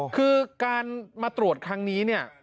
คือการมาตรวจครั้งนี้เนี่ย